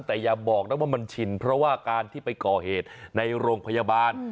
แต่อย่าบอกนะว่ามันชินเพราะว่าการที่ไปก่อเหตุในโรงพยาบาล